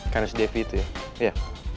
karena si devi itu ya